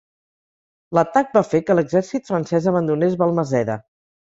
L'atac va fer que l'exercit francès abandonés Valmaseda.